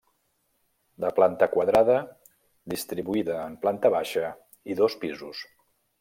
De planta quadrada, distribuïda en planta baixa i dos pisos.